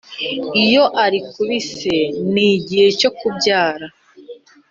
iyo ari ku bise n igihe cyo kubyara